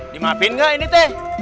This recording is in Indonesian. dimaafin gak ini teh